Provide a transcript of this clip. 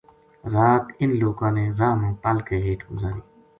را ت اِنھ لوکاں نے راہ ما پَل کے ہیٹھ گُزاری